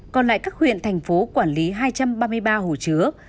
còn lại các huyện thành phố quản lý hai trăm ba mươi ba hồ chứa